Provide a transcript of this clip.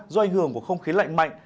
do ảnh hưởng của không khí lạnh mạnh